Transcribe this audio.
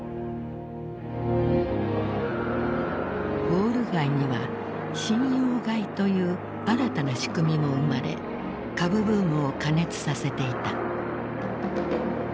ウォール街には信用買いという新たな仕組みも生まれ株ブームを過熱させていた。